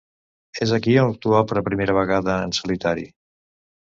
És aquí on actua per primera vegada en solitari.